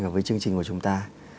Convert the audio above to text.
và với chương trình của chúng ta